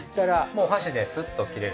もうお箸でスッと切れる。